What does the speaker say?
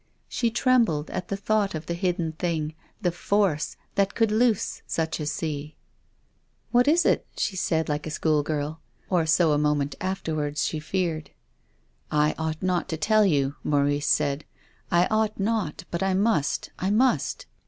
She trembled at the thought of the hidden thing, the force, that could loose such a sea. " What is it ?" she said like a schoolgirl — or so, a moment afterwards, she feared. " I ought not to tell you," Maurice said, " I ought not, but I must — I must."